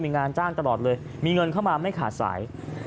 มีงานจ้างตลอดเลยมีเงินเข้ามาไม่ขาดสาย